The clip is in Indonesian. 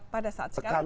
pada saat sekarang